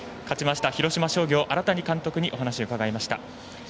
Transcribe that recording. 勝ちました広島商業、荒谷監督にお話を伺いました。